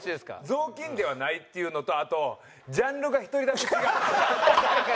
ぞうきんではないっていうのとあとジャンルが１人だけ違う。